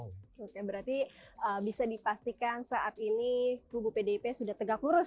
oke berarti bisa dipastikan saat ini klub klub pdp sudah tegak lurus